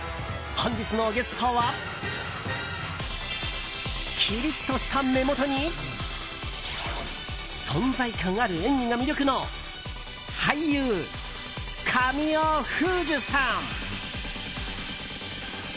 本日のゲストはきりっとした目元に存在感ある演技が魅力の俳優神尾楓珠さん。